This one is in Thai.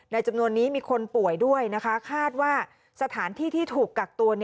จำนวนนี้มีคนป่วยด้วยนะคะคาดว่าสถานที่ที่ถูกกักตัว